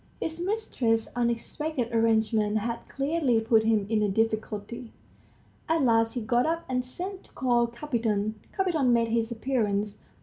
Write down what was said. His mistress's unexpected arrangement had clearly put him in a difficulty. At last he got up and sent to call Kapiton. Kapiton made his appearance.